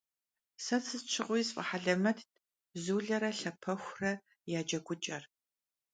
Se sıt şığui sf'ehelemett Zulere Lhapexure ya ceguç'er.